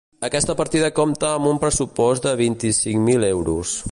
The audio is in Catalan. Aquesta partida compta amb un pressupost de vint-i-cinc mil euros.